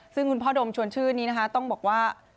ซึ่งคุณพ่อดมชวนชื่นนี้นะคะต้องบอกว่า